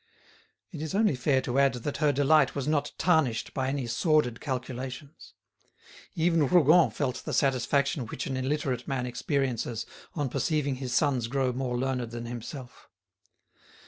It is only fair to add that her delight was not tarnished by any sordid calculations. Even Rougon felt the satisfaction which an illiterate man experiences on perceiving his sons grow more learned than himself.